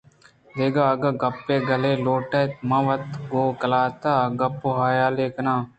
دگہ اگاں گپّءُ گالے لوٹیت من وت گوں قلات ءَ گپ ءُحالے کناں